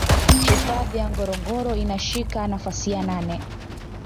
Hifadhi ya Ngorongoro inashika nafasi ya nane